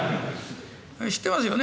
知ってますよね